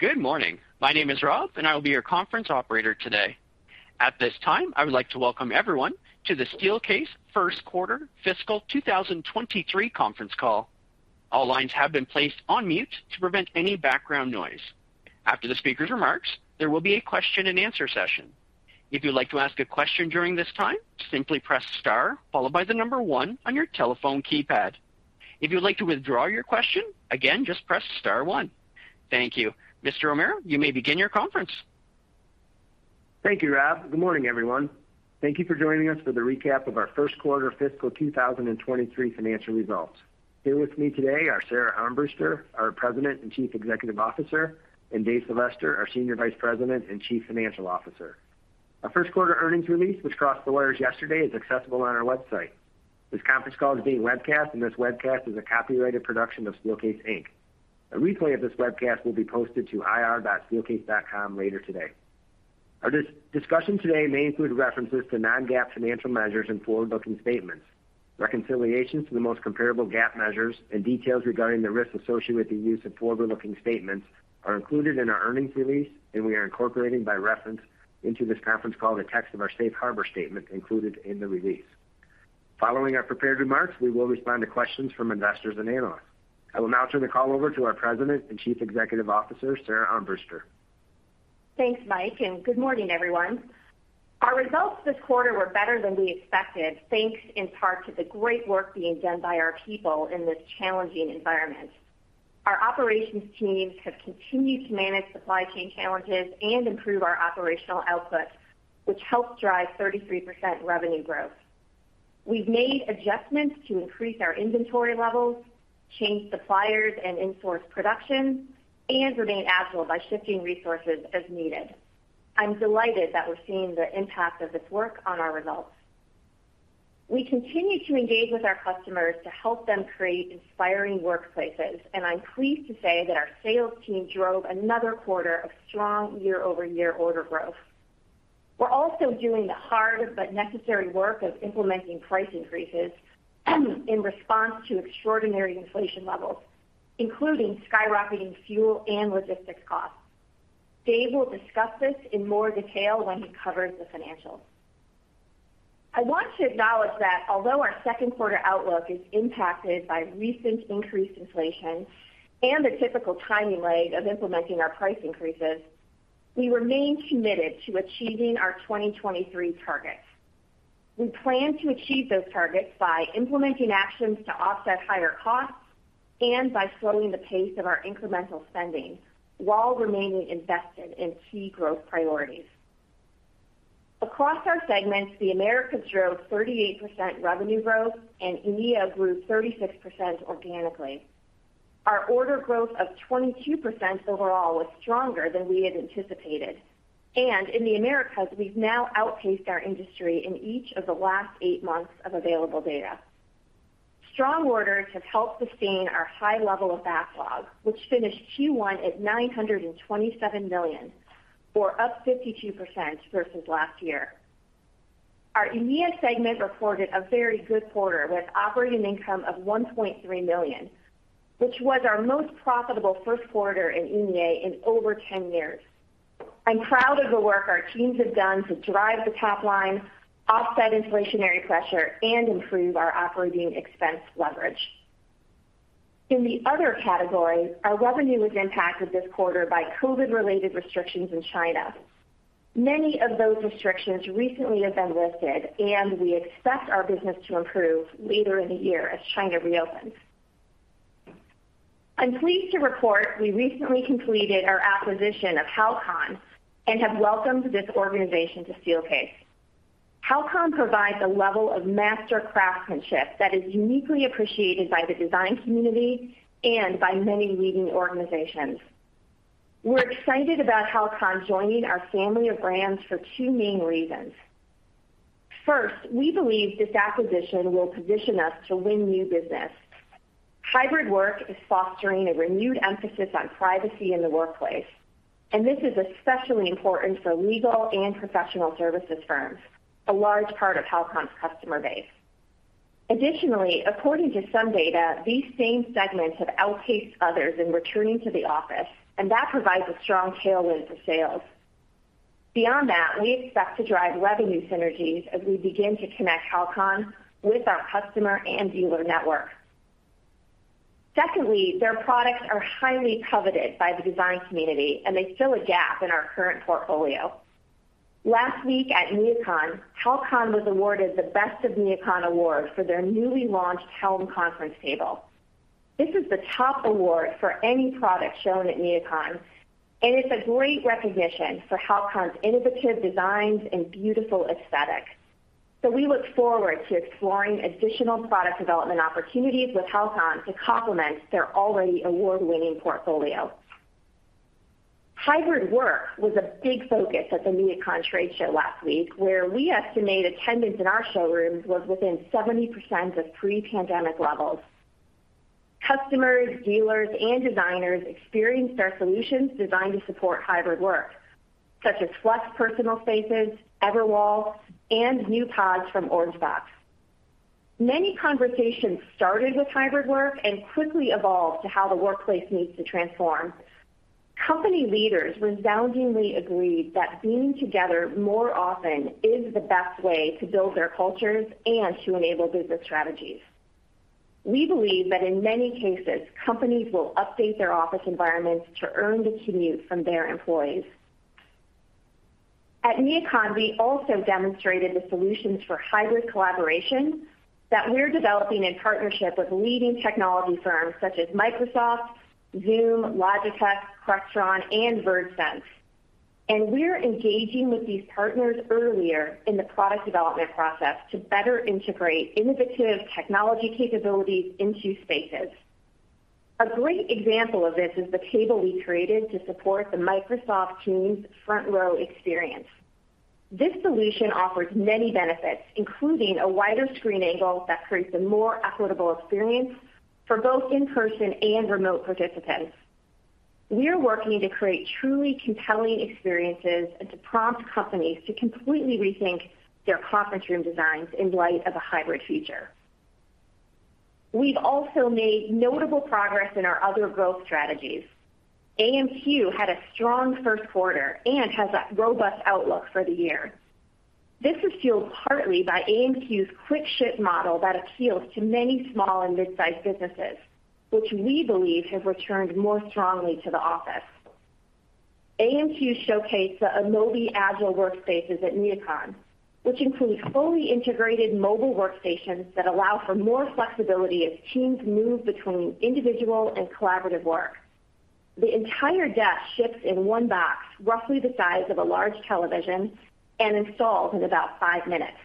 Good morning. My name is Rob, and I will be your conference operator today. At this time, I would like to welcome everyone to the Steelcase Q1 Fiscal 2023 Conference Call. All lines have been placed on mute to prevent any background noise. After the speaker's remarks, there will be a Q&A session. If you'd like to ask a question during this time, simply press Star followed by the number one on your telephone keypad. If you'd like to withdraw your question, again, just press Star one. Thank you. Mr. O'Meara, you may begin your conference. Thank you, Rob. Good morning, everyone. Thank you for joining us for the recap of our Q1 Fiscal 2023 Financial Results. Here with me today are Sara Armbruster, our President and Chief Executive Officer, and Dave Sylvester, our Senior Vice President and Chief Financial Officer. Our Q1 earnings release, which crossed the wires yesterday, is accessible on our website. This conference call is being webcast, and this webcast is a copyrighted production of Steelcase Inc. A replay of this webcast will be posted to ir.steelcase.com later today. Our discussion today may include references to non-GAAP financial measures and forward-looking statements. Reconciliations to the most comparable GAAP measures and details regarding the risks associated with the use of forward-looking statements are included in our earnings release, and we are incorporating by reference into this conference call the text of our safe harbor statement included in the release. Following our prepared remarks, we will respond to questions from investors and analysts. I will now turn the call over to our President and Chief Executive Officer, Sara Armbruster. Thanks, Mike, and good morning, everyone. Our results this quarter were better than we expected, thanks in part to the great work being done by our people in this challenging environment. Our operations teams have continued to manage supply chain challenges and improve our operational output, which helped drive 33% revenue growth. We've made adjustments to increase our inventory levels, change suppliers and in-source production, and remain agile by shifting resources as needed. I'm delighted that we're seeing the impact of this work on our results. We continue to engage with our customers to help them create inspiring workplaces, and I'm pleased to say that our sales team drove another quarter of strong year-over-year order growth. We're also doing the hard but necessary work of implementing price increases in response to extraordinary inflation levels, including skyrocketing fuel and logistics costs. Dave will discuss this in more detail when he covers the financials. I want to acknowledge that although our Q2 outlook is impacted by recent increased inflation and the typical timing lag of implementing our price increases, we remain committed to achieving our 2023 targets. We plan to achieve those targets by implementing actions to offset higher costs and by slowing the pace of our incremental spending while remaining invested in key growth priorities. Across our segments, the Americas drove 38% revenue growth, and EMEA grew 36% organically. Our order growth of 22% overall was stronger than we had anticipated. In the Americas, we've now outpaced our industry in each of the last eight months of available data. Strong orders have helped sustain our high level of backlog, which finished Q1 at $927 million, or up 52% versus last year. Our EMEA segment reported a very good quarter with operating income of $1.3 million, which was our most profitable Q1 in EMEA in over 10 years. I'm proud of the work our teams have done to drive the top line, offset inflationary pressure, and improve our operating expense leverage. In the other category, our revenue was impacted this quarter by COVID-related restrictions in China. Many of those restrictions recently have been lifted, and we expect our business to improve later in the year as China reopens. I'm pleased to report we recently completed our acquisition of HALCON and have welcomed this organization to Steelcase. HALCON provides a level of master craftsmanship that is uniquely appreciated by the design community and by many leading organizations. We're excited about HALCON joining our family of brands for two main reasons. First, we believe this acquisition will position us to win new business. Hybrid work is fostering a renewed emphasis on privacy in the workplace, and this is especially important for legal and professional services firms, a large part of HALCON's customer base. Additionally, according to some data, these same segments have outpaced others in returning to the office, and that provides a strong tailwind for sales. Beyond that, we expect to drive revenue synergies as we begin to connect HALCON with our customer and dealer networks. Secondly, their products are highly coveted by the design community, and they fill a gap in our current portfolio. Last week at NeoCon, HALCON was awarded the Best of NeoCon award for their newly launched Helm Conference table. This is the top award for any product shown at NeoCon, and it's a great recognition for HALCON's innovative designs and beautiful aesthetics. We look forward to exploring additional product development opportunities with HALCON to complement their already award-winning portfolio. Hybrid work was a big focus at the NeoCon trade show last week, where we estimate attendance in our showrooms was within 70% of pre-pandemic levels. Customers, dealers, and designers experienced our solutions designed to support hybrid work, such as Flex personal spaces, Everwall, and new pods from Orangebox. Many conversations started with hybrid work and quickly evolved to how the workplace needs to transform. Company leaders resoundingly agreed that being together more often is the best way to build their cultures and to enable business strategies. We believe that in many cases, companies will update their office environments to earn the commute from their employees. At NeoCon, we also demonstrated the solutions for hybrid collaboration that we're developing in partnership with leading technology firms such as Microsoft, Zoom, Logitech, Crestron, and VergeSense. We're engaging with these partners earlier in the product development process to better integrate innovative technology capabilities into spaces. A great example of this is the table we created to support the Microsoft Teams Front Row experience. This solution offers many benefits, including a wider screen angle that creates a more equitable experience for both in-person and remote participants. We are working to create truly compelling experiences and to prompt companies to completely rethink their conference room designs in light of a hybrid future. We've also made notable progress in our other growth strategies. AMQ had a strong Q1 and has a robust outlook for the year. This is fueled partly by AMQ's quick ship model that appeals to many small and mid-sized businesses, which we believe have returned more strongly to the office. AMQ showcased the Amobi agile workspaces at NeoCon, which include fully integrated mobile workstations that allow for more flexibility as teams move between individual and collaborative work. The entire desk ships in one box, roughly the size of a large television and installs in about five minutes.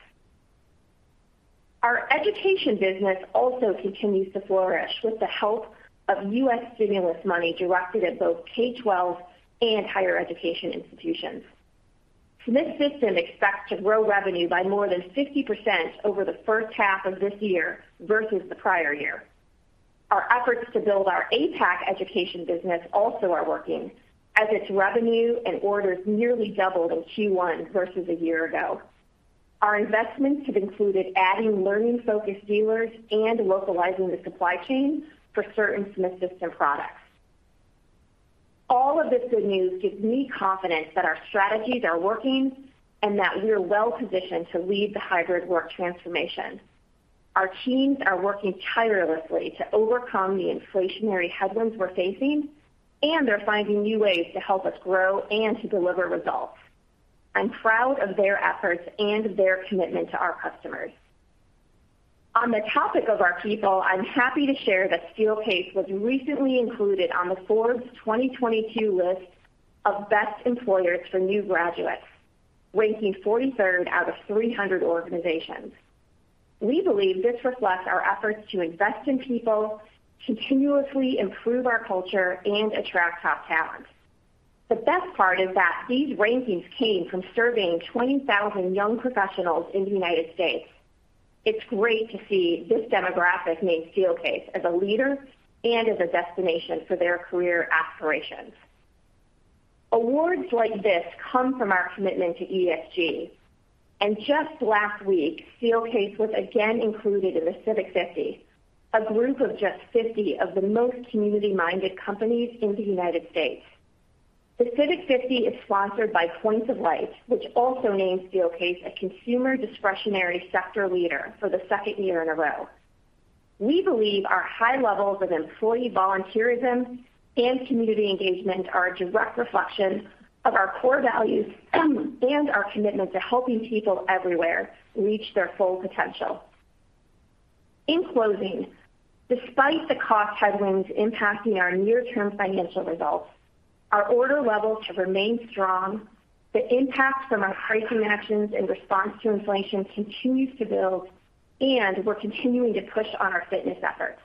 Our education business also continues to flourish with the help of U.S. stimulus money directed at both K-12 and higher education institutions. Smith System expects to grow revenue by more than 50% over the first half of this year versus the prior year. Our efforts to build our APAC education business also are working, as its revenue and orders nearly doubled in Q1 versus a year ago. Our investments have included adding learning-focused dealers and localizing the supply chain for certain Smith System products. All of this good news gives me confidence that our strategies are working and that we are well-positioned to lead the hybrid work transformation. Our teams are working tirelessly to overcome the inflationary headwinds we're facing, and they're finding new ways to help us grow and to deliver results. I'm proud of their efforts and their commitment to our customers. On the topic of our people, I'm happy to share that Steelcase was recently included on the Forbes 2022 list of best employers for new graduates, ranking 43rd out of 300 organizations. We believe this reflects our efforts to invest in people, continuously improve our culture, and attract top talent. The best part is that these rankings came from surveying 20,000 young professionals in the United States. It's great to see this demographic name Steelcase as a leader and as a destination for their career aspirations. Awards like this come from our commitment to ESG. Just last week, Steelcase was again included in the Civic 50, a group of just 50 of the most community-minded companies in the United States. The Civic 50 is sponsored by Points of Light, which also named Steelcase a consumer discretionary sector leader for the second year in a row. We believe our high levels of employee volunteerism and community engagement are a direct reflection of our core values and our commitment to helping people everywhere reach their full potential. In closing, despite the cost headwinds impacting our near-term financial results, our order levels have remained strong. The impact from our pricing actions in response to inflation continues to build, and we're continuing to push on our fitness efforts.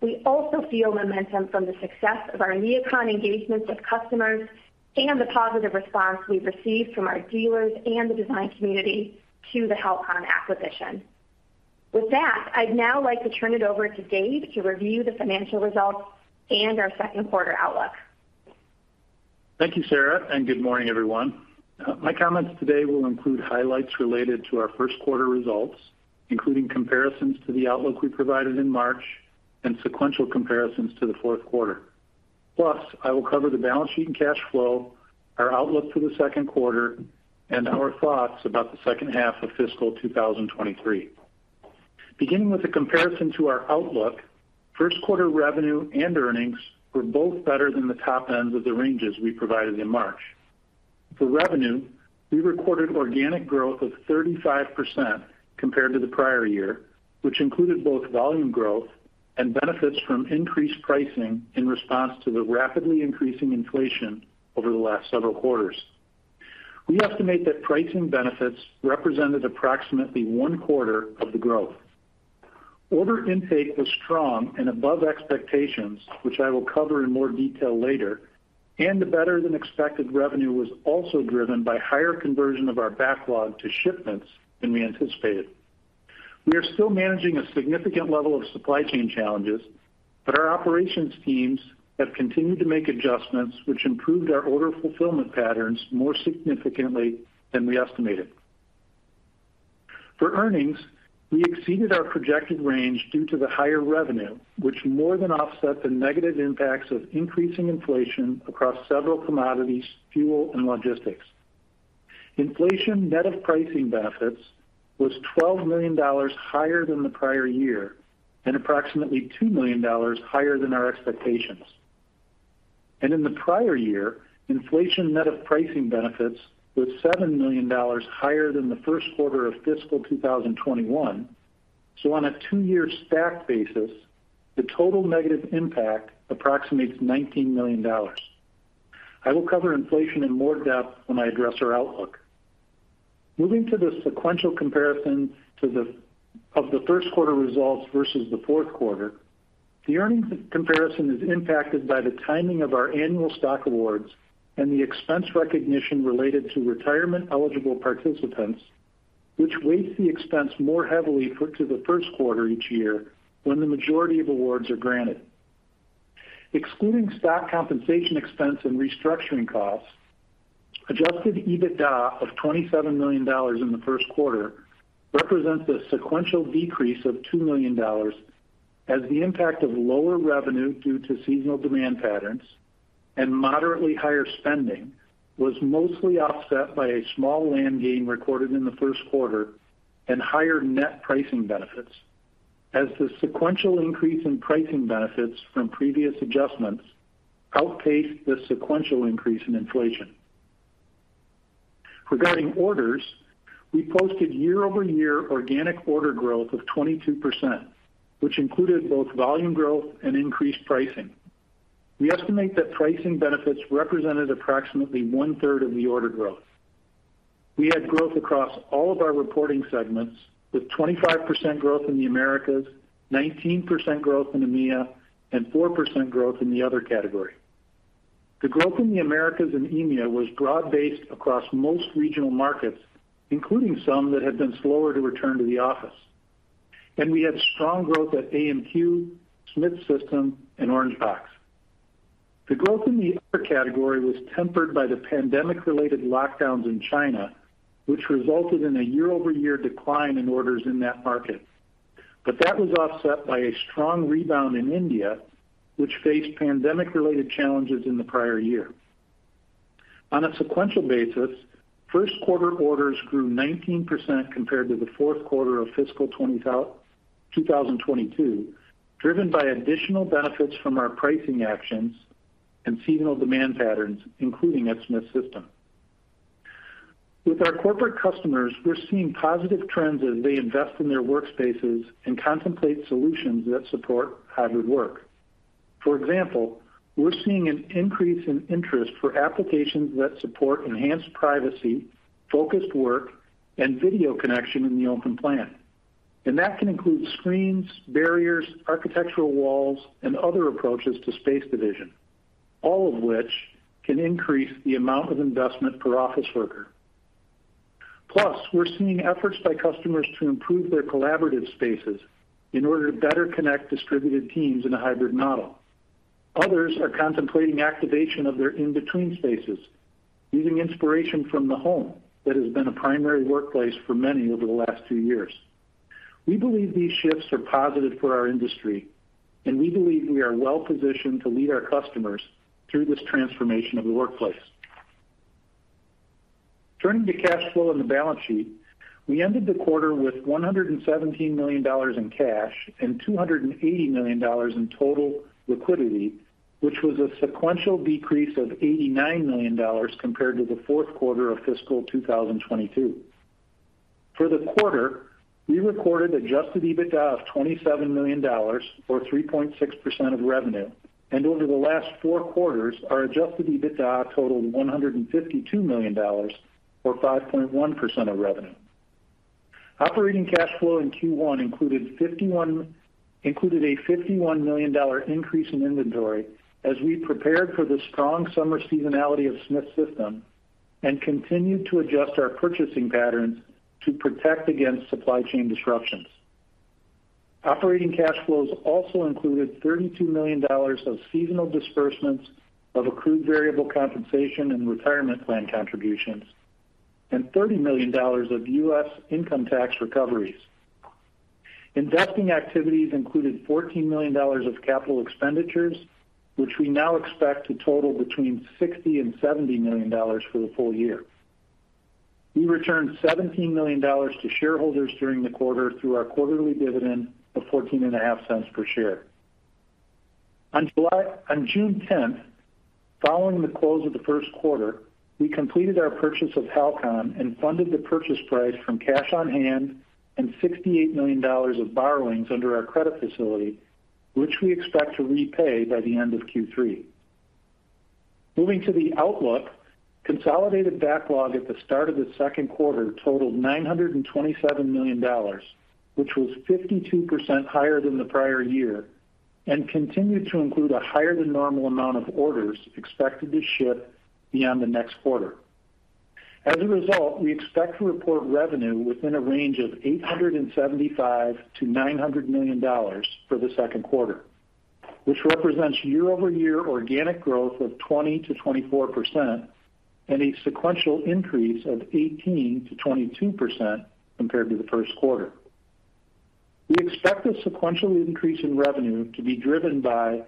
We also feel momentum from the success of our NeoCon engagements with customers and the positive response we've received from our dealers and the design community to the HALCON acquisition. With that, I'd now like to turn it over to Dave to review the financial results and our Q2 outlook. Thank you, Sara, and good morning, everyone. My comments today will include highlights related to our Q1 results, including comparisons to the outlook we provided in March and sequential comparisons to the Q4. Plus, I will cover the balance sheet and cash flow, our outlook for the Q2, and our thoughts about the second half of Fiscal 2023. Beginning with a comparison to our outlook, Q1 revenue and earnings were both better than the top ends of the ranges we provided in March. For revenue, we recorded organic growth of 35% compared to the prior year, which included both volume growth and benefits from increased pricing in response to the rapidly increasing inflation over the last several quarters. We estimate that pricing benefits represented approximately one quarter of the growth. Order intake was strong and above expectations, which I will cover in more detail later, and the better-than-expected revenue was also driven by higher conversion of our backlog to shipments than we anticipated. We are still managing a significant level of supply chain challenges. Our operations teams have continued to make adjustments which improved our order fulfillment patterns more significantly than we estimated. For earnings, we exceeded our projected range due to the higher revenue, which more than offset the negative impacts of increasing inflation across several commodities, fuel and logistics. Inflation net of pricing benefits was $12 million higher than the prior year and approximately $2 million higher than our expectations. In the prior year, inflation net of pricing benefits was $7 million higher than the Q1 of Fiscal 2021. On a two-year stack basis, the total negative impact approximates $19 million. I will cover inflation in more depth when I address our outlook. Moving to the sequential comparison of the Q1 results versus the Q4. The earnings comparison is impacted by the timing of our annual stock awards and the expense recognition related to retirement eligible participants, which weighs the expense more heavily to the Q1 each year when the majority of awards are granted. Excluding stock compensation expense and restructuring costs, adjusted EBITDA of $27 million in the Q1 represents a sequential decrease of $2 million as the impact of lower revenue due to seasonal demand patterns and moderately higher spending was mostly offset by a small land gain recorded in the Q1 and higher net pricing benefits. As the sequential increase in pricing benefits from previous adjustments outpaced the sequential increase in inflation. Regarding orders, we posted year-over-year organic order growth of 22%, which included both volume growth and increased pricing. We estimate that pricing benefits represented approximately 1/3 of the order growth. We had growth across all of our reporting segments, with 25% growth in the Americas, 19% growth in EMEA, and 4% growth in the other category. The growth in the Americas and EMEA was broad-based across most regional markets, including some that had been slower to return to the office. We had strong growth at AMQ, Smith System and Orangebox. The growth in the other category was tempered by the pandemic-related lockdowns in China, which resulted in a year-over-year decline in orders in that market. That was offset by a strong rebound in India, which faced pandemic-related challenges in the prior year. On a sequential basis, Q1 orders grew 19% compared to the Q4 of Fiscal 2022, driven by additional benefits from our pricing actions and seasonal demand patterns, including at Smith System. With our corporate customers, we're seeing positive trends as they invest in their workspaces and contemplate solutions that support hybrid work. For example, we're seeing an increase in interest for applications that support enhanced privacy, focused work and video connection in the open plan. That can include screens, barriers, architectural walls and other approaches to space division. All of which can increase the amount of investment per office worker. Plus, we're seeing efforts by customers to improve their collaborative spaces in order to better connect distributed teams in a hybrid model. Others are contemplating activation of their in-between spaces, using inspiration from the home that has been a primary workplace for many over the last two years. We believe these shifts are positive for our industry, and we believe we are well positioned to lead our customers through this transformation of the workplace. Turning to cash flow and the balance sheet. We ended the quarter with $117 million in cash and $280 million in total liquidity, which was a sequential decrease of $89 million compared to the Q4 of Fiscal 2022. For the quarter, we recorded adjusted EBITDA of $27 million or 3.6% of revenue. Over the last four quarters, our adjusted EBITDA totaled $152 million or 5.1% of revenue. Operating Cash Flow in Q1 included a $51 million increase in inventory as we prepared for the strong summer seasonality of Smith System and continued to adjust our purchasing patterns to protect against supply chain disruptions. Operating Cash Flows also included $32 million of seasonal disbursements of accrued variable compensation and retirement plan contributions, and $30 million of U.S. income tax recoveries. Investing activities included $14 million of capital expenditures, which we now expect to total between $60 million and $70 million for the full year. We returned $17 million to shareholders during the quarter through our quarterly dividend of $0.145 per share. On June tenth, following the close of the Q1, we completed our purchase of HALCON and funded the purchase price from cash on hand and $68 million of borrowings under our credit facility, which we expect to repay by the end of Q3. Moving to the outlook. Consolidated backlog at the start of the Q2 totaled $927 million, which was 52% higher than the prior year, and continued to include a higher than normal amount of orders expected to ship beyond the next quarter. As a result, we expect to report revenue within a range of $875 million-$900 million for the Q2, which represents year-over-year organic growth of 20%-24% and a sequential increase of 18%-22% compared to the Q1. We expect the sequential increase in revenue to be driven by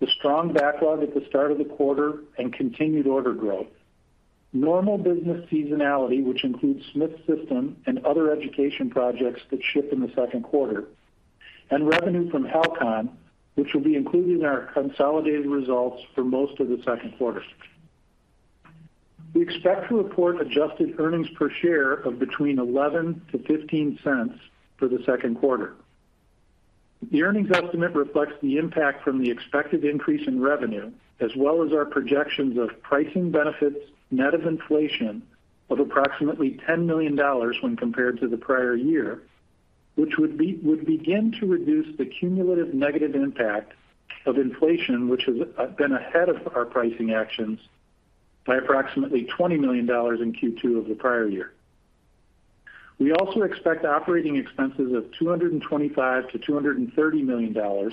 the strong backlog at the start of the quarter and continued order growth. Normal business seasonality, which includes Smith System and other education projects that ship in the Q2, and revenue from HALCON, which will be included in our consolidated results for most of the Q2. We expect to report adjusted earnings per share of between $0.11-$0.15 for the Q2. The earnings estimate reflects the impact from the expected increase in revenue, as well as our projections of pricing benefits net of inflation of approximately $10 million when compared to the prior year, which would begin to reduce the cumulative negative impact of inflation, which has been ahead of our pricing actions by approximately $20 million in Q2 of the prior year. We expect operating expenses of $225 million-$230 million,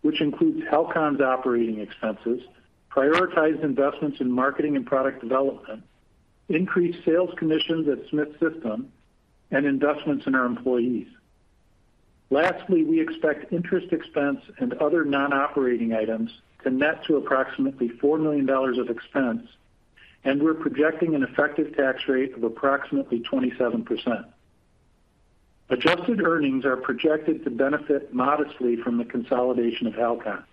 which includes HALCON's operating expenses, prioritized investments in marketing and product development, increased sales commissions at Smith System, and investments in our employees. We expect interest expense and other non-operating items to net to approximately $4 million of expense, and we're projecting an effective tax rate of approximately 27%. Adjusted earnings are projected to benefit modestly from the consolidation of HALCON.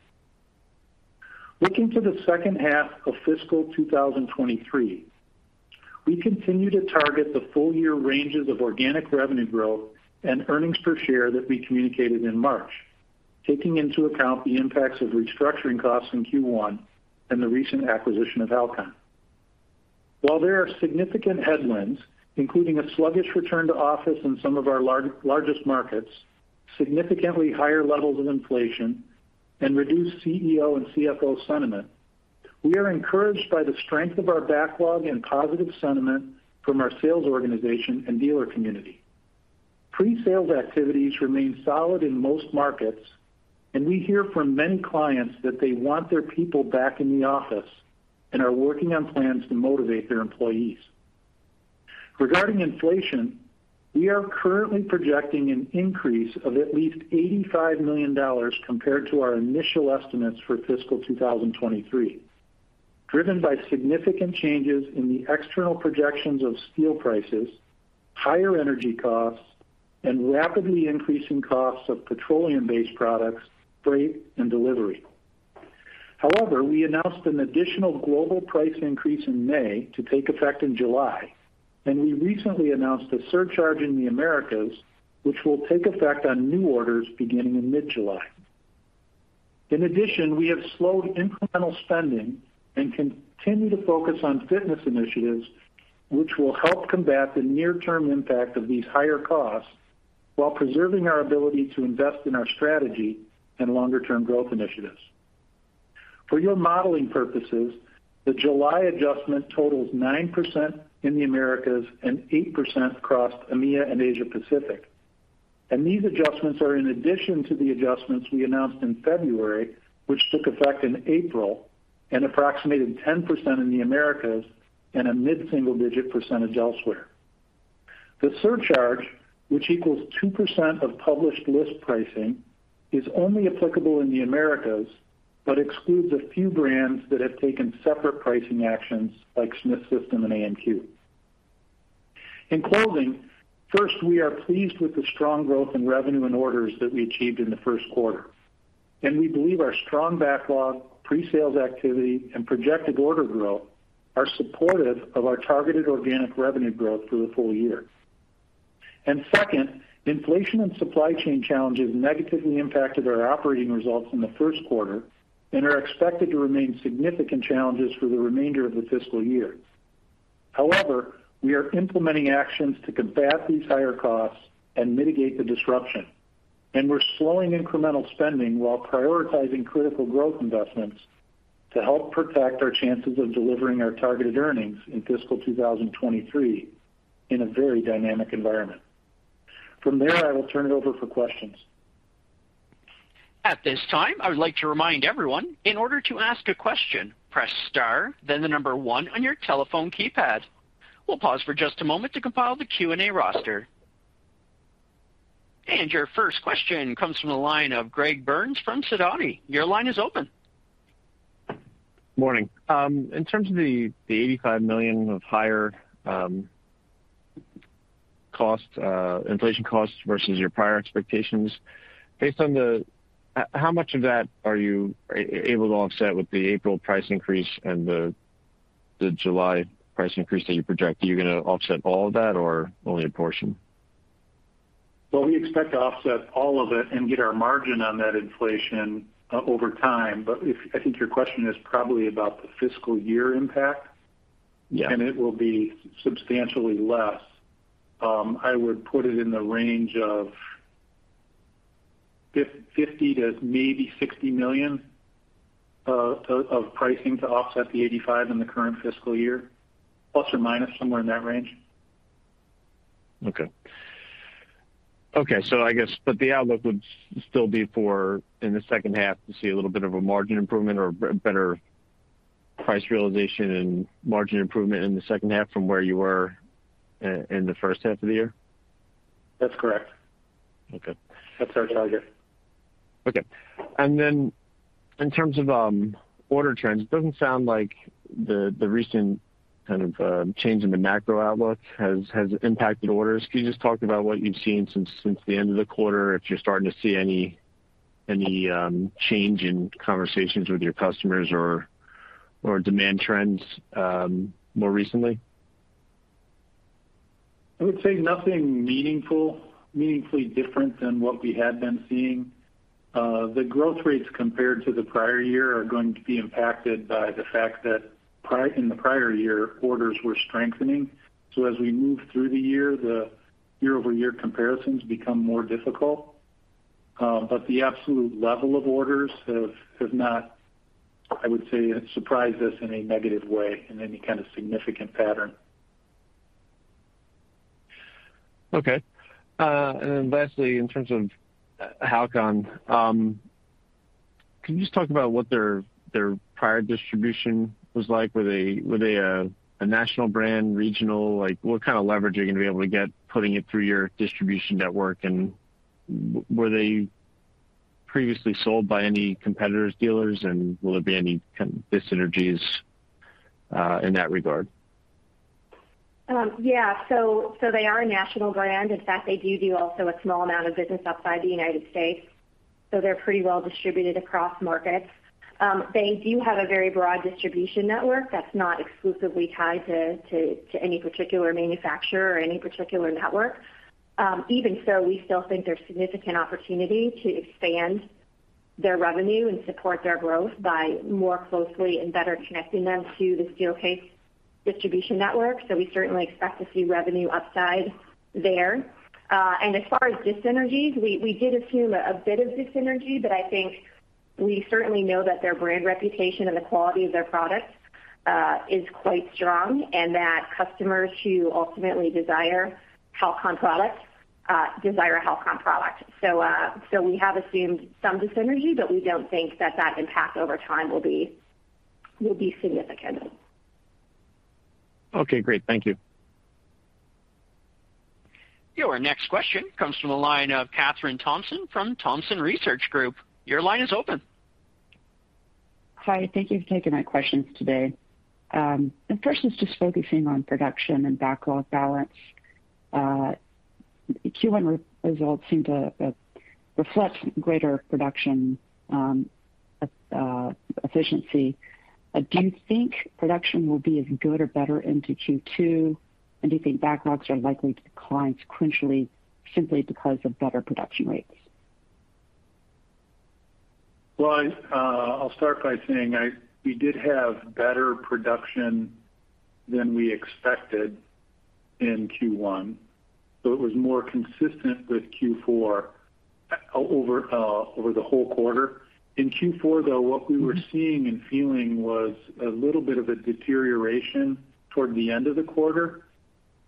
Looking to the second half of Fiscal 2023, we continue to target the full year ranges of organic revenue growth and earnings per share that we communicated in March, taking into account the impacts of restructuring costs in Q1 and the recent acquisition of HALCON. While there are significant headwinds, including a sluggish return to office in some of our largest markets, significantly higher levels of inflation, and reduced CEO and CFO sentiment, we are encouraged by the strength of our backlog and positive sentiment from our sales organization and dealer community. Presales activities remain solid in most markets, and we hear from many clients that they want their people back in the office and are working on plans to motivate their employees. Regarding inflation, we are currently projecting an increase of at least $85 million compared to our initial estimates for Fiscal 2023, driven by significant changes in the external projections of steel prices, higher energy costs, and rapidly increasing costs of petroleum-based products, freight, and delivery. However, we announced an additional global price increase in May to take effect in July, and we recently announced a surcharge in the Americas, which will take effect on new orders beginning in mid-July. In addition, we have slowed incremental spending and continue to focus on fitness initiatives, which will help combat the near-term impact of these higher costs while preserving our ability to invest in our strategy and longer-term growth initiatives. For your modeling purposes, the July adjustment totals 9% in the Americas and 8% across EMEA and Asia Pacific. These adjustments are in addition to the adjustments we announced in February, which took effect in April and approximated 10% in the Americas and a mid-single-digit percentage elsewhere. The surcharge, which equals 2% of published list pricing, is only applicable in the Americas, but excludes a few brands that have taken separate pricing actions like Smith System and AMQ. In closing, first, we are pleased with the strong growth in revenue and orders that we achieved in the Q1, and we believe our strong backlog, presales activity, and projected order growth are supportive of our targeted organic revenue growth through the full year. Second, inflation and supply chain challenges negatively impacted our operating results in the Q1 and are expected to remain significant challenges for the remainder of the fiscal year. However, we are implementing actions to combat these higher costs and mitigate the disruption, and we're slowing incremental spending while prioritizing critical growth investments to help protect our chances of delivering our targeted earnings in Fiscal 2023 in a very dynamic environment. From there, I will turn it over for questions. At this time, I would like to remind everyone, in order to ask a question, press Star then the number one on your telephone keypad. We'll pause for just a moment to compile the Q&A roster. Your first question comes from the line of Greg Burns from Sidoti. Your line is open. Morning. In terms of the $85 million of higher cost inflation costs versus your prior expectations, how much of that are you able to offset with the April price increase and the July price increase that you project? Are you gonna offset all of that or only a portion? Well, we expect to offset all of it and get our margin on that inflation over time. I think your question is probably about the fiscal year impact. Yeah. It will be substantially less. I would put it in the range of $50 million-$60 million of pricing to offset the $85 million in the current fiscal year, plus or minus somewhere in that range. I guess but the outlook would still be for in the second half to see a little bit of a margin improvement or better price realization and margin improvement in the second half from where you were in the first half of the year? That's correct. Okay. That's our target. Okay. In terms of order trends, it doesn't sound like the recent kind of change in the macro outlook has impacted orders. Can you just talk about what you've seen since the end of the quarter if you're starting to see any change in conversations with your customers or demand trends more recently? I would say nothing meaningfully different than what we had been seeing. The growth rates compared to the prior year are going to be impacted by the fact that in the prior year, orders were strengthening. As we move through the year, the year-over-year comparisons become more difficult. The absolute level of orders have not, I would say, surprised us in a negative way in any kind of significant pattern. Okay. Lastly, in terms of HALCON, can you just talk about what their prior distribution was like? Were they a national brand, regional? Like, what kind of leverage are you gonna be able to get putting it through your distribution network? Were they previously sold by any competitor's dealers, and will there be any kind of dyssynergies, in that regard? They are a national brand. In fact, they do also a small amount of business outside the United States, so they're pretty well distributed across markets. They do have a very broad distribution network that's not exclusively tied to any particular manufacturer or any particular network. Even so, we still think there's significant opportunity to expand their revenue and support their growth by more closely and better connecting them to the Steelcase distribution network. We certainly expect to see revenue upside there. As far as dis-synergies, we did assume a bit of dis-synergy, but we certainly know that their brand reputation and the quality of their products is quite strong, and that customers who ultimately desire HALCON products desire a HALCON product. We have assumed some dis-synergy, but we don't think that impact over time will be significant. Okay, great. Thank you. Your next question comes from the line of Kathryn Thompson from Thompson Research Group. Your line is open. Hi. Thank you for taking my questions today. The first is just focusing on production and backlog balance. Q1 results seem to reflect greater production efficiency. Do you think production will be as good or better into Q2? Do you think backlogs are likely to decline sequentially simply because of better production rates? Well, I'll start by saying we did have better production than we expected in Q1, so it was more consistent with Q4 over the whole quarter. In Q4, though, what we were seeing and feeling was a little bit of a deterioration toward the end of the quarter,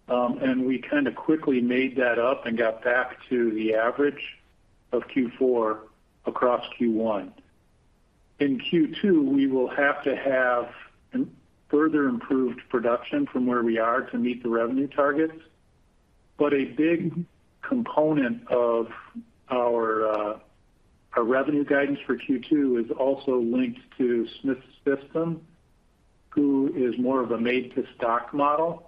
and we kinda quickly made that up and got back to the average of Q4 across Q1. In Q2, we will have to have a further improved production from where we are to meet the revenue targets. A big component of our revenue guidance for Q2 is also linked to Smith System, who is more of a made-to-stock model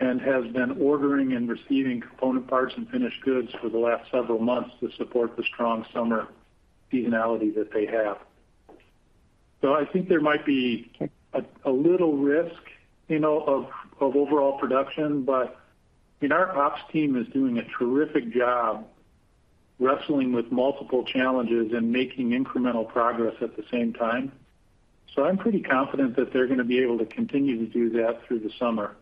and has been ordering and receiving component parts and finished goods for the last several months to support the strong summer seasonality that they have. I think there might be a little risk, you know, of overall production. I mean, our ops team is doing a terrific job wrestling with multiple challenges and making incremental progress at the same time. I'm pretty confident that they're gonna be able to continue to do that through the summer.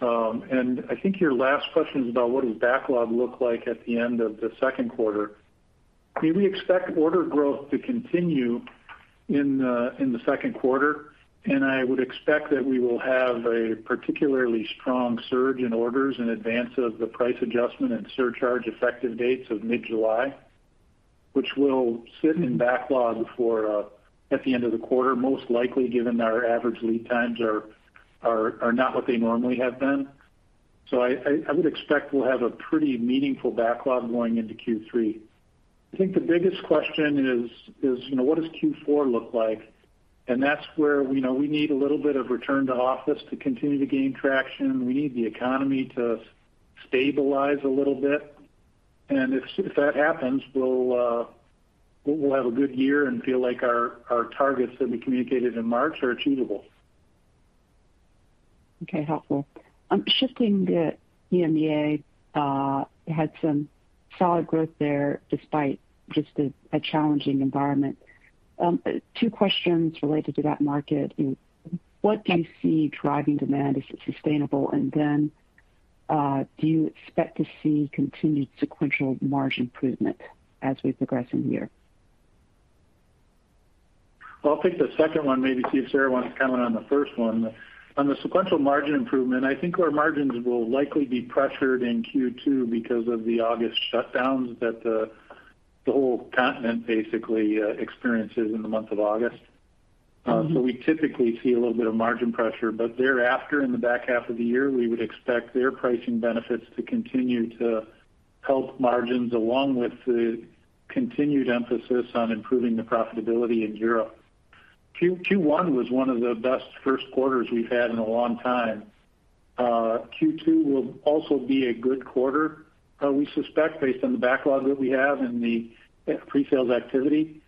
I think your last question is about what does backlog look like at the end of the Q2. We expect order growth to continue in the Q2, and I would expect that we will have a particularly strong surge in orders in advance of the price adjustment and surcharge effective dates of mid-July, which will sit in backlog for at the end of the quarter, most likely given our average lead times are not what they normally have been. I would expect we'll have a pretty meaningful backlog going into Q3. I think the biggest question is, you know, what does Q4 look like? That's where we know we need a little bit of return to office to continue to gain traction. We need the economy to stabilize a little bit. If that happens, we'll have a good year and feel like our targets that we communicated in March are achievable. Okay. Helpful. Shifting to EMEA, had some solid growth there despite just a challenging environment. Two questions related to that market. You know, what do you see driving demand? Is it sustainable? Do you expect to see continued sequential margin improvement as we progress in the year? Well, I'll take the second one, maybe see if Sara wants to comment on the first one. On the sequential margin improvement, I think our margins will likely be pressured in Q2 because of the August shutdowns that the whole continent basically experiences in the month of August. Mm-hmm. We typically see a little bit of margin pressure, but thereafter, in the back half of the year, we would expect their pricing benefits to continue to help margins, along with the continued emphasis on improving the profitability in Europe. Q1 was one of the best Q1s we've had in a long time. Q2 will also be a good quarter, we suspect based on the backlog that we have and the pre-sales activity.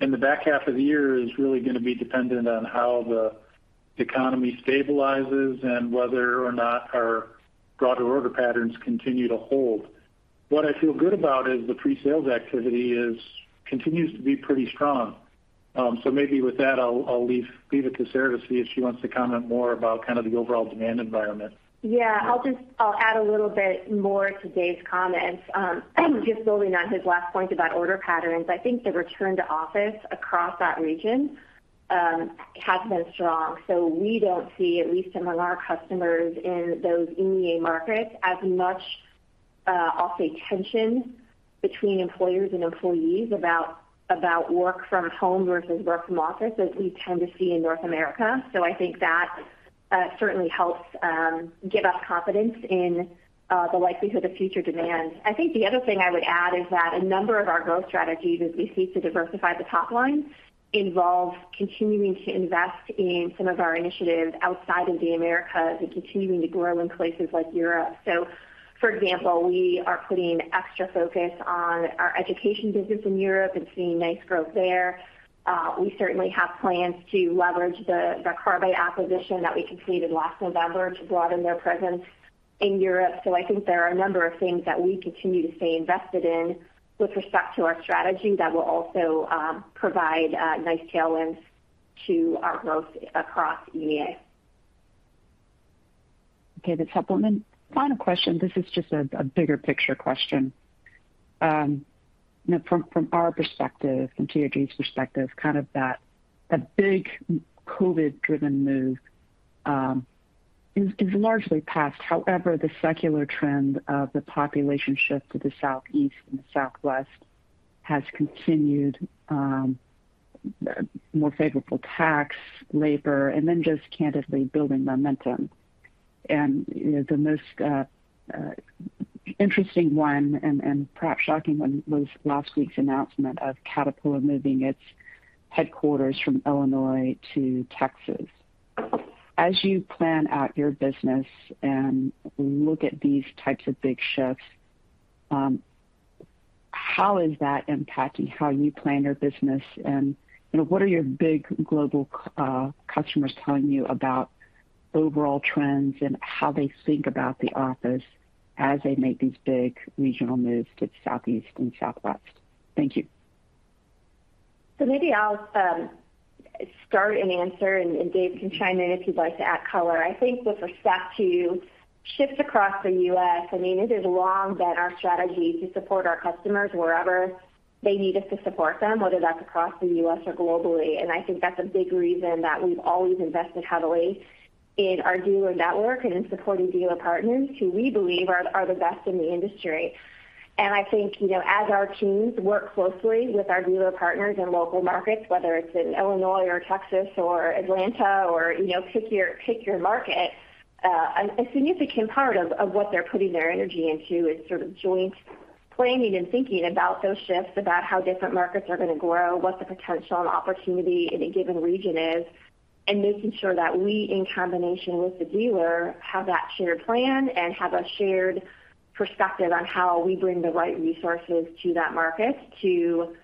The back half of the year is really gonna be dependent on how the economy stabilizes and whether or not our broader order patterns continue to hold. What I feel good about is the pre-sales activity continues to be pretty strong. Maybe with that, I'll leave it to Sara to see if she wants to comment more about kind of the overall demand environment. Yeah. I'll add a little bit more to Dave's comments. Just building on his last point about order patterns, I think the return to office across that region has been strong. We don't see, at least among our customers in those EMEA markets, as much, I'll say tension between employers and employees about work from home versus work from office as we tend to see in North America. I think that certainly helps give us confidence in the likelihood of future demand. I think the other thing I would add is that a number of our growth strategies, as we seek to diversify the top line, involve continuing to invest in some of our initiatives outside of the Americas and continuing to grow in places like Europe. For example, we are putting extra focus on our education business in Europe and seeing nice growth there. We certainly have plans to leverage the Viccarbe acquisition that we completed last November to broaden their presence in Europe. I think there are a number of things that we continue to stay invested in with respect to our strategy that will also provide nice tailwinds to our growth across EMEA. Okay. To supplement, final question. This is just a bigger picture question. You know, from our perspective, from TRG's perspective, kind of that big COVID-driven move is largely past. However, the secular trend of the population shift to the Southeast and the Southwest has continued, more favorable tax, labor, and then just candidly building momentum. You know, the most interesting one and perhaps shocking one was last week's announcement of Caterpillar moving its headquarters from Illinois to Texas. As you plan out your business and look at these types of big shifts, how is that impacting how you plan your business? You know, what are your big global customers telling you about overall trends and how they think about the office as they make these big regional moves to the Southeast and Southwest? Thank you. Maybe I'll start and answer, and Dave can chime in if you'd like to add color. I think with respect to shifts across the U.S., I mean, it has long been our strategy to support our customers wherever they need us to support them, whether that's across the U.S. or globally. I think that's a big reason that we've always invested heavily in our dealer network and in supporting dealer partners who we believe are the best in the industry. I think, you know, as our teams work closely with our dealer partners in local markets, whether it's in Illinois or Texas or Atlanta or, you know, pick your market, a significant part of what they're putting their energy into is sort of joint planning and thinking about those shifts, about how different markets are gonna grow, what the potential and opportunity in a given region is, and making sure that we, in combination with the dealer, have that shared plan and have a shared perspective on how we bring the right resources to that market to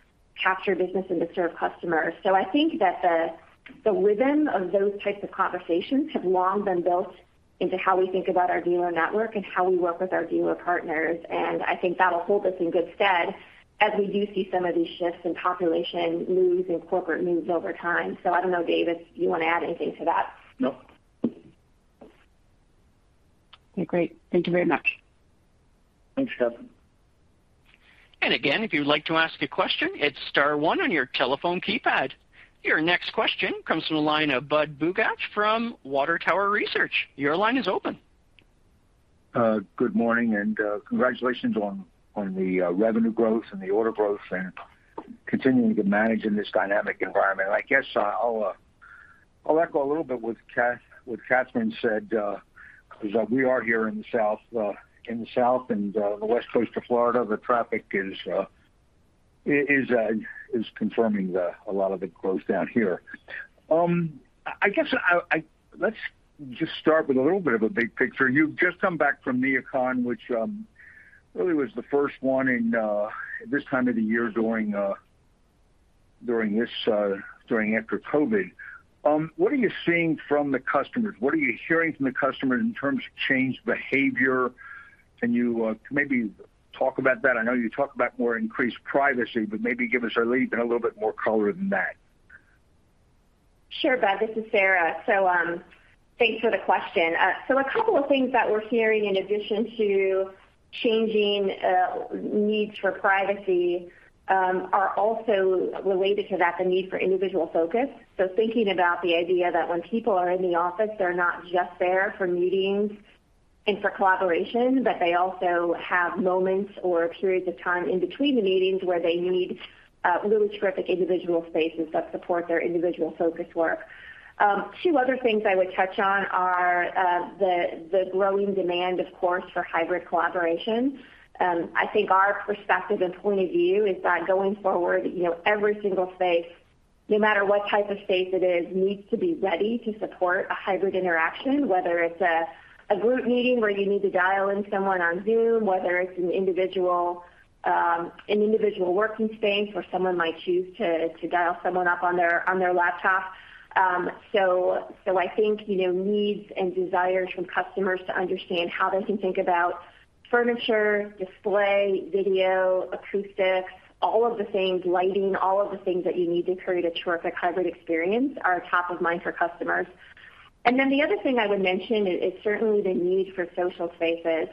capture business and to serve customers. I think that the rhythm of those types of conversations have long been built into how we think about our dealer network and how we work with our dealer partners. I think that'll hold us in good stead as we do see some of these shifts in population moves and corporate moves over time. I don't know, Dave, if you wanna add anything to that. No. Okay, great. Thank you very much. Thanks, Kathryn. Again, if you'd like to ask a question, hit star one on your telephone keypad. Your next question comes from the line of Budd Bugatch from Water Tower Research. Your line is open. Good morning, and congratulations on the revenue growth and the order growth and continuing to manage in this dynamic environment. I guess I'll echo a little bit what Kathryn said, 'cause we are here in the South and the west coast of Florida. The traffic is confirming a lot of it closed down here. Let's just start with a little bit of a big picture. You've just come back from NeoCon, which really was the first one in this time of the year during after COVID. What are you seeing from the customers? What are you hearing from the customers in terms of changed behavior? Can you maybe talk about that? I know you talked about more increased privacy, but maybe give us a little bit, a little bit more color than that. Sure, Budd. This is Sara. Thanks for the question. A couple of things that we're hearing in addition to changing needs for privacy are also related to that, the need for individual focus. Thinking about the idea that when people are in the office, they're not just there for meetings and for collaboration, but they also have moments or periods of time in between the meetings where they need really terrific individual spaces that support their individual focus work. Two other things I would touch on are the growing demand, of course, for hybrid collaboration. I think our perspective and point of view is that going forward, you know, every single space, no matter what type of space it is, needs to be ready to support a hybrid interaction, whether it's a group meeting where you need to dial in someone on Zoom, whether it's an individual working space where someone might choose to dial someone up on their laptop. I think, you know, needs and desires from customers to understand how they can think about furniture, display, video, acoustics, all of the things, lighting, all of the things that you need to create a terrific hybrid experience are top of mind for customers. The other thing I would mention is certainly the need for social spaces.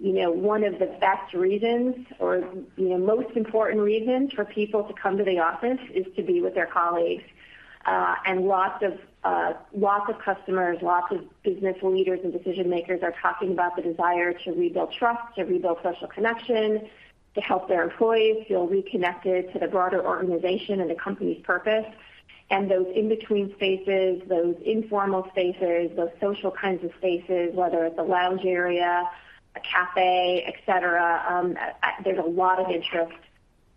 You know, one of the best reasons or, you know, most important reasons for people to come to the office is to be with their colleagues. Lots of customers, lots of business leaders and decision-makers are talking about the desire to rebuild trust, to rebuild social connection, to help their employees feel reconnected to the broader organization and the company's purpose. Those in-between spaces, those informal spaces, those social kinds of spaces, whether it's a lounge area, a cafe, et cetera, there's a lot of interest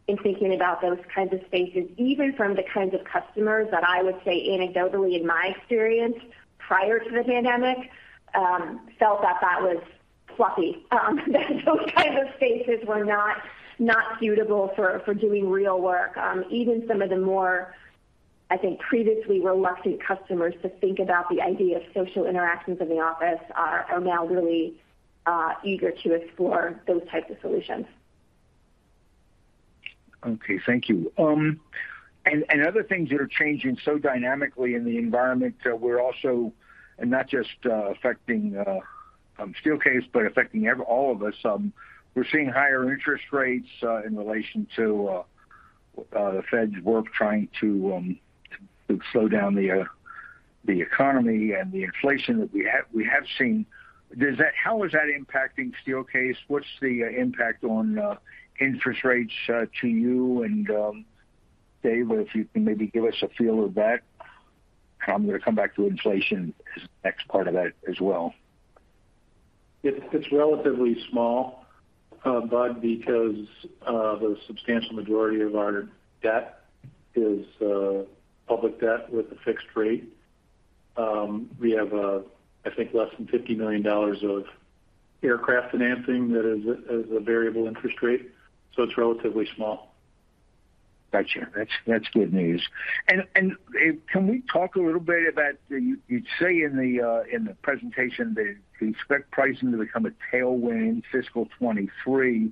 in thinking about those kinds of spaces, even from the kinds of customers that I would say anecdotally in my experience prior to the pandemic, felt that that was fluffy. That those kinds of spaces were not suitable for doing real work. Even some of the more, I think, previously reluctant customers to think about the idea of social interactions in the office are now really eager to explore those types of solutions. Okay. Thank you. Other things that are changing so dynamically in the environment and not just affecting Steelcase, but affecting all of us. We're seeing higher interest rates in relation to the Fed's work trying to slow down the economy and the inflation that we have seen. How is that impacting Steelcase? What's the impact on interest rates to you? Dave, if you can maybe give us a feel of that. I'm gonna come back to inflation as the next part of that as well. It's relatively small, Bud, because the substantial majority of our debt is public debt with a fixed rate. We have, I think, less than $50 million of aircraft financing that has a variable interest rate, so it's relatively small. Got you. That's good news. Dave, can we talk a little bit about? You say in the presentation that you expect pricing to become a tailwind Fiscal 2023.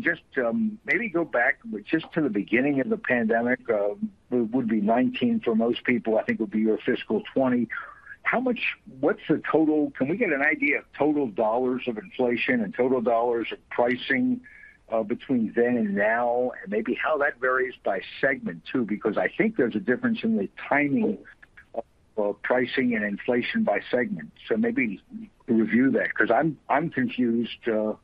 Just maybe go back just to the beginning of the pandemic. It would be 2019 for most people. I think it would be your Fiscal 2020. What's the total? Can we get an idea of total dollars of inflation and total dollars of pricing between then and now? Maybe how that varies by segment too, because I think there's a difference in the timing of pricing and inflation by segment. Maybe review that, 'cause I'm confused, and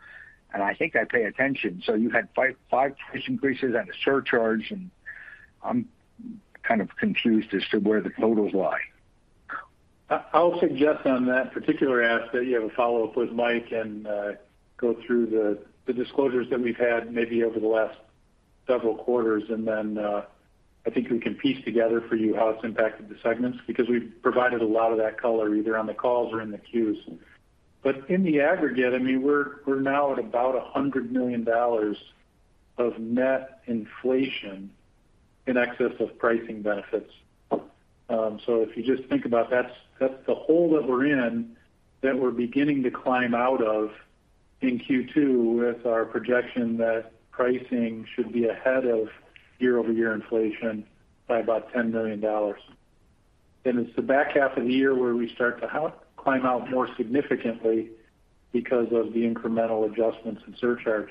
I think I pay attention. You had five price increases and a surcharge, and I'm kind of confused as to where the totals lie. I'll suggest on that particular ask that you have a follow-up with Mike and go through the disclosures that we've had maybe over the last several quarters. I think we can piece together for you how it's impacted the segments, because we've provided a lot of that color either on the calls or in the quarters. In the aggregate, I mean, we're now at about $100 million of net inflation in excess of pricing benefits. If you just think about that's the hole that we're in, that we're beginning to climb out of in Q2 with our projection that pricing should be ahead of year-over-year inflation by about $10 million. It's the back half of the year where we start to climb out more significantly because of the incremental adjustments in surcharges.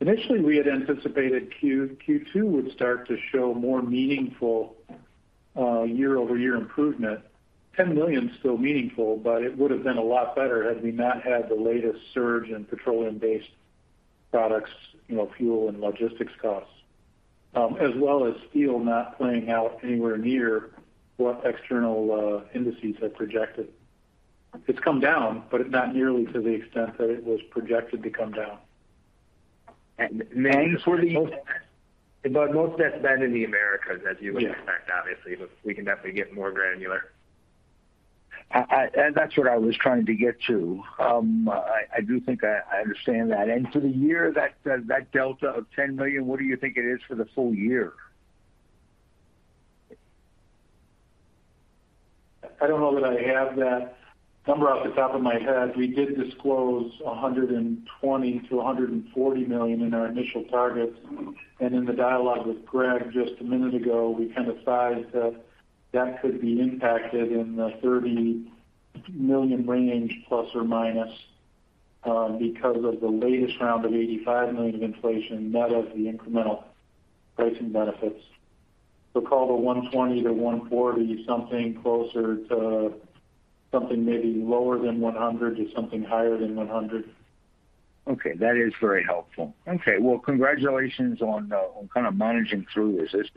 Initially, we had anticipated Q2 would start to show more meaningful year-over-year improvement. $10 million is still meaningful, but it would have been a lot better had we not had the latest surge in petroleum-based products, you know, fuel and logistics costs, as well as steel not playing out anywhere near what external indices had projected. It's come down, but not nearly to the extent that it was projected to come down. And, and for the most- Most of that's been in the Americas, as you would expect, obviously. We can definitely get more granular. That's what I was trying to get to. I do think I understand that. For the year, that delta of $10 million, what do you think it is for the full year? I don't know that I have that number off the top of my head. We did disclose $120-$140 million in our initial targets. In the dialogue with Greg just a minute ago, we kind of sized that could be impacted in the $30 million range, ±, because of the latest round of $85 million of inflation net of the incremental pricing benefits. Call the 120-140 something closer to something maybe lower than 100 to something higher than 100. Okay, that is very helpful. Okay, well, congratulations on kind of managing through this. This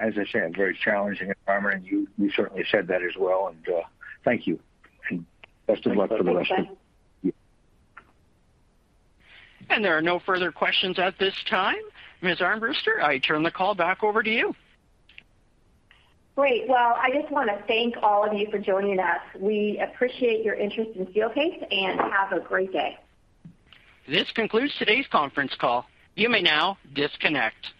is, as I said, a very challenging environment. You certainly said that as well, and, thank you. Best of luck for the rest of the year. Thank you, Budd. Yeah. There are no further questions at this time. Ms. Armbruster, I turn the call back over to you. Great. Well, I just wanna thank all of you for joining us. We appreciate your interest in Steelcase, and have a great day. This concludes today's conference call. You may now disconnect.